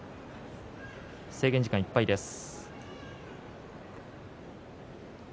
制限時間がいっぱいです。